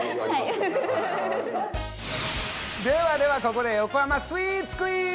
では、ここで横浜スイーツクイズ！